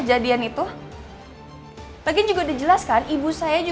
jangan bawa dia keburu